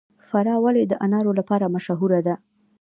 فراه ولې د انارو لپاره مشهوره ده؟